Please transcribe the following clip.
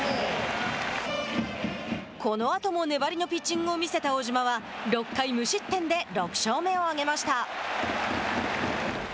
このあとも粘りのピッチングを見せた小島は６回無失点で６勝目を挙げました。